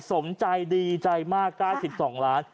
สมใจดีใจมาก๙๒ล้าน